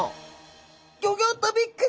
ギョギョッとびっくり！